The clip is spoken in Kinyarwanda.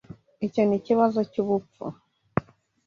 Icyo ni ikibazo cyubupfu!